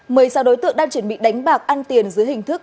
my sao đối tượng đang chuẩn bị đánh bạc ăn tiền dưới hình thức